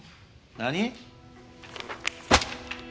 何？